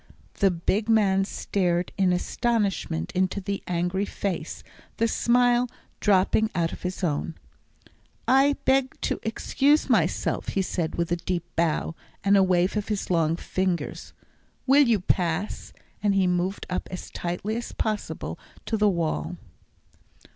The big man stared in astonishment into the angry face, the smile dropping out of his own. "I beg to _ex_cuse myself," he said, with a deep bow, and a wave of his long fingers. "Will you pass?" and he moved up as tightly as possible to the wall.